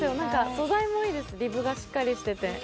素材もいいです、リブがしっかりしていて。